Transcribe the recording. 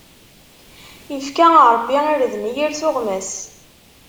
Ifka Ṛebbi irden i yir tuɣmas.